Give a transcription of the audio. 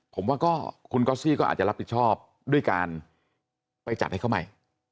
ผมว่าก็คุณก๊อสซี่ก็อาจจะรับผิดชอบด้วยการไปจัดให้เขาใหม่